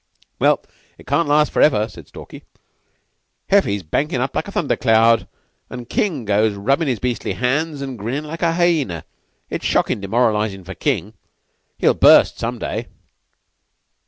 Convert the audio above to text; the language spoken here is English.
"Well, it can't last forever," said Stalky. "Heffy's bankin' up like a thunder cloud, an' King goes rubbin' his beastly hands, an' grinnin' like a hyena. It's shockin' demoralizin' for King. He'll burst some day."